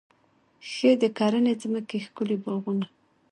ښې د کرنې ځمکې، ښکلي باغونه